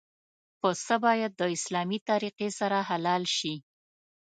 پسه باید د اسلامي طریقې سره حلال شي.